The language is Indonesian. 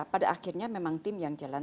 pada akhirnya memang tim yang jalan